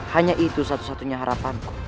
hanya itu satu satunya harapanku